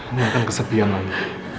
lo gak akan kesepian lagi